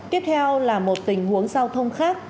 tiếp theo là một tình huống giao thông khác